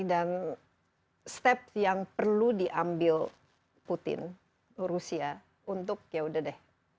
dan step yang perlu diambil putin rusia untuk ya udah deh